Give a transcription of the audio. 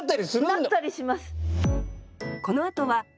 なったりします。